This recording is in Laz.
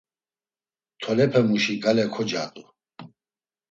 Tolepemuşi gale kocadu.